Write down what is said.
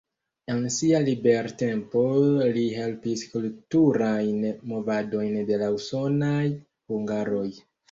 En sia libertempo li helpis kulturajn movadojn de la usonaj hungaroj.